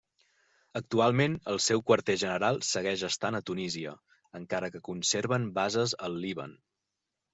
Actualment, el seu quarter general segueix estant a Tunísia, encara que conserven bases al Líban.